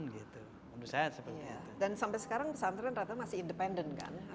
dan sampai sekarang pesantren rata rata masih independen kan